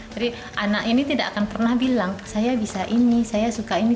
jadi anak ini tidak akan pernah bilang saya bisa ini saya suka ini